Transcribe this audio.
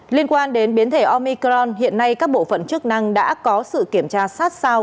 liên quan đến biến thể omicron hiện nay các bộ phận chức năng đã có sự kiểm tra sát sao